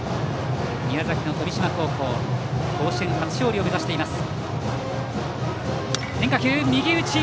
宮崎の富島高校甲子園初勝利を目指しています。